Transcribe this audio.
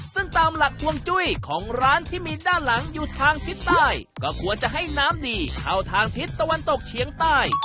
ซึ่งตามหลักฮวงจุ้ยของร้านที่มีด้านหลังอยู่ทางทิศใต้ก็ควรจะให้น้ำดีเข้าทางทิศตะวันตกเฉียงใต้